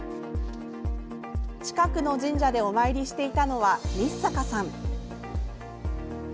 近くの神社でお参りしていたのは日坂さん。